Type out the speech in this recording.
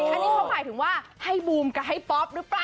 อันนี้เขาหมายถึงว่าให้บูมกับให้ป๊อปหรือเปล่า